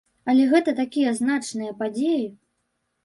Але гэта такія значныя падзеі.